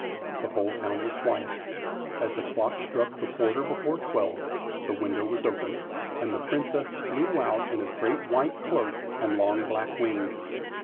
The whole town was quiet. As the clock struck the quarter before twelve the window was opened, and the Princess flew out in a great white cloak and long black wings.